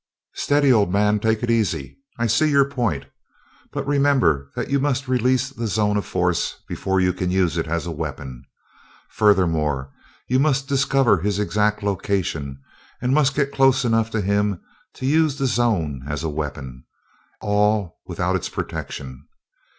"Steady, old man take it easy. I see your point, but remember that you must release the zone of force before you can use it as a weapon. Furthermore, you must discover his exact location, and must get close enough to him to use the zone as a weapon, all without its protection.